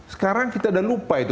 sekarang kita udah lupa itu